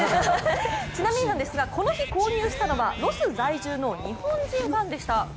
ちなみにですが、この日、購入したのは、ロス在住の日本人でした。